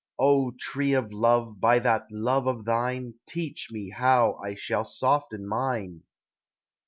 O tree of love, by that love of thine, Teach me how I shall soften mine